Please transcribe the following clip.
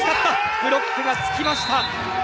ブロックがつきました。